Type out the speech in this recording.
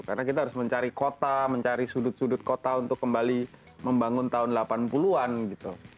karena kita harus mencari kota mencari sudut sudut kota untuk kembali membangun tahun delapan puluh an gitu